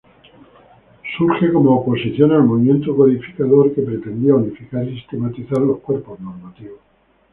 Surge como oposición al movimiento codificador, que pretendía unificar y sistematizar los cuerpos normativos.